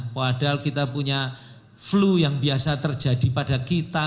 padahal kita punya flu yang biasa terjadi pada kita